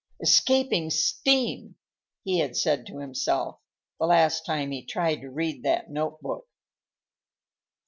"Escaping steam!" he had said to himself, the last time he tried to read that notebook.